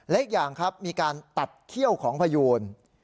และอีกอย่างครับมีการตัดเขี้ยวของพยูน